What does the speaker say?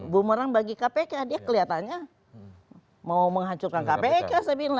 bumerang bagi kpk dia kelihatannya mau menghancurkan kpk saya bilang